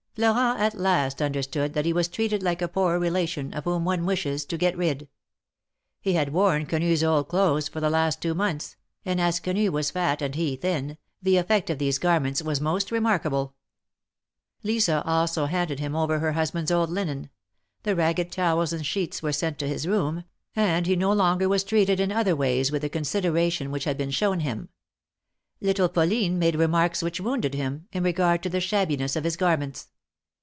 Florent at last understood that he was treated like a poor relation, of whom one wishes to get rid. He had worn Quenffs old clothes for the last two months, and as Quenu was fat, and he thin, the effect of these garments was most remarkable. 200 THE MAKKETS OF PARIS. Lisa also handed him over her husband's old linen ; the ragged towels and sheets were sent to his room, and he no longer was treated in other ways with the consideration which had been shown him. Little Pauline made remarks which wounded him, in regard to the shabbiness of his garments.